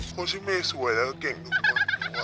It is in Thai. โคชิเมย์สวยแล้วก็เก่งทุกคนด้วย